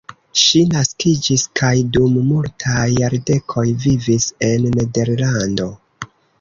Ŝi naskiĝis kaj dum multaj jardekoj vivis en Nederlando.